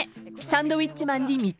サンドウィッチマンさん。